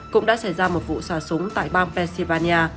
cũng đã xảy ra một vụ xả súng tại bang pennsylvania